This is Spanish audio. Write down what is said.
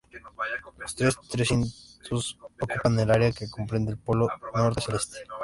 Los tres recintos ocupan el área que comprende el Polo norte celeste.